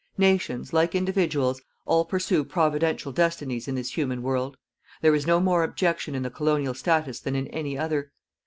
Nations, like individuals, all pursue Providential destinies in this human world. There is no more abjection in the colonial status than in any other.